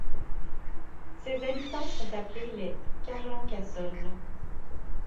Ses habitants sont appelés les Carlencassols.